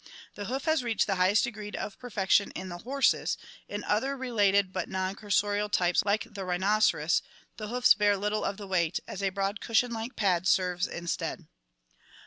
The hoof has reached the highest degree of perfection in the horses; in other related but non cursorial types like the rhinoceros the hoofs bear little of the weight, as a broad cushion like pad serves instead (Fig.